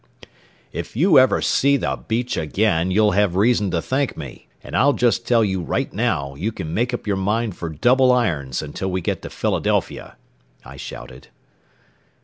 "If you ever see the beach again, you'll have reason to thank me, and I'll just tell you right now, you can make up your mind for double irons until we get to Philadelphia," I shouted.